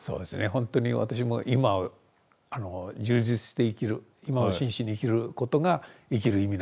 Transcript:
ほんとに私も今を充実して生きる今を真摯に生きることが生きる意味なんだろうなと。